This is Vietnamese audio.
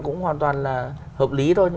cũng hoàn toàn là hợp lý thôi